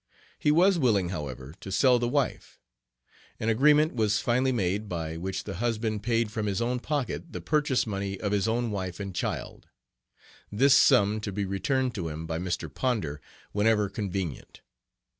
He was willing however, to sell the wife. An agreement was finally made by which the husband paid from his own pocket the purchase money of his own wife and child, this sum to be returned to him by Mr. Ponder whenever convenient.